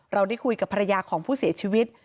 เราได้คุยกับภรรยาของผู้เสียชีวิต